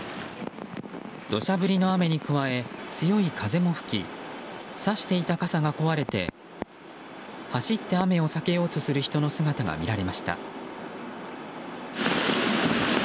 土砂降りの雨に加え強い風も吹きさしていた傘が壊れて走って雨を避けようとする人の姿が見られました。